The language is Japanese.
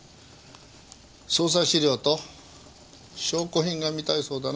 捜査資料と証拠品が見たいそうだな。